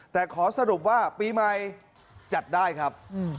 แต่ขอสรุปว่าปีใหม่จัดได้ครับ